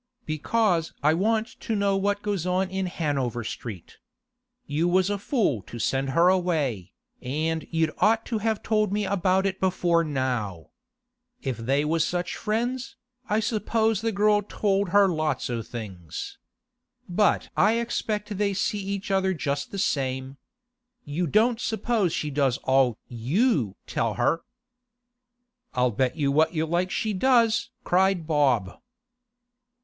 'Because I want to know what goes on in Hanover Street. You was a fool to send her away, and you'd ought to have told me about it before now. If they was such friends, I suppose the girl told her lots o' things. But I expect they see each other just the same. You don't suppose she does all you tell her?' 'I'll bet you what you like she does!' cried Bob.